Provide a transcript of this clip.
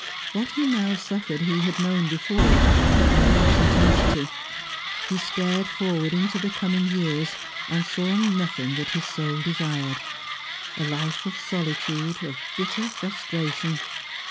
What he now suffered he had known before, but with less intensity. He stared forward into the coming years, and saw nothing that his soul desired. A life of solitude, of bitter frustration.